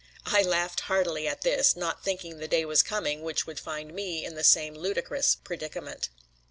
I laughed heartily at this, not thinking the day was coming which would find me in the same ludicrous predicament.